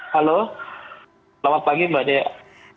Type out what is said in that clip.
halo selamat pagi mbak dea